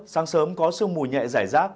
sáng sớm có sương mùi nhẹ giải rác